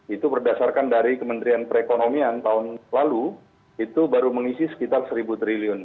itu berdasarkan dari kementerian perekonomian tahun lalu itu baru mengisi sekitar rp satu triliun